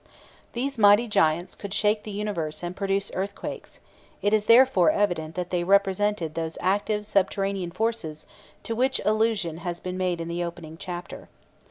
These mighty Giants could shake the universe and produce earthquakes; it is therefore evident that they represented those active subterranean forces to which allusion has been made in the opening chapter.